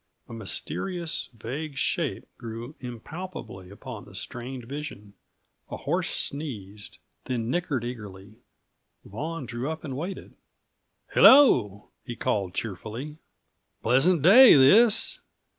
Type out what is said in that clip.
A mysterious, vague shape grew impalpably upon the strained vision; a horse sneezed, then nickered eagerly. Vaughan drew up and waited. "Hello!" he called cheerfully. "Pleasant day, this.